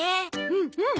うんうん！